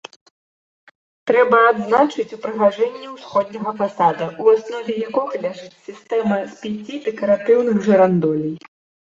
Трэба адзначыць упрыгажэнне ўсходняга фасада, у аснове якога ляжыць сістэма з пяці дэкаратыўных жырандолей.